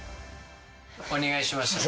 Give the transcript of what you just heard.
お願いします。